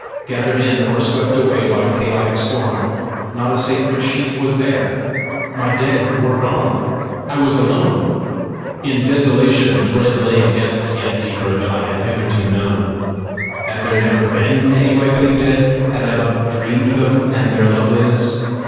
Gathered in, or swept away by chaotic storm, not a sacred sheaf was there! My dead were gone! I was alone! In desolation dread lay depths yet deeper than I had hitherto known! Had there never been any ripening dead? Had I but dreamed them and their loveliness?